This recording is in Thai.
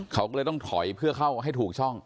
เขาก็เลยต้องถอยเพื่อเข้าให้ถูกช่อง